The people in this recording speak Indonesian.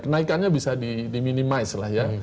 kenaikannya bisa diminimais lah ya